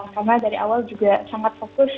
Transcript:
karena dari awal juga sangat fokus